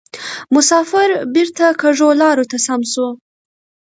مسافر بیرته کږو لارو ته سم سو